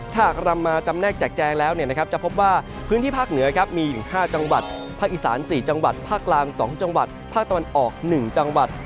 หากรำมาจำแนกแจกแจงแล้วจะพบว่าพื้นที่ภาคเหนือมีอยู่๕จังหวัดภาคอีสาน๔จังหวัดภาคกลาง๒จังหวัดภาคตะวันออก๑จังหวัด